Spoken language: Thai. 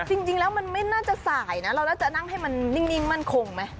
จริงแล้วมันไม่น่าจะสายนะเราน่าจะนั่งให้มันนิ่งมั่นคงไหม